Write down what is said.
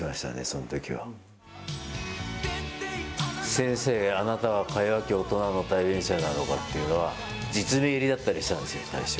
先生、あなたはか弱き大人の代弁者なのかっていうのは、実名入りだったりしたんですよ、最初。